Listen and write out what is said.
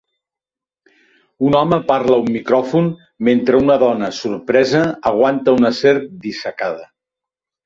Un home parla a un micròfon mentre una dona, sorpresa, aguanta una serp dissecada.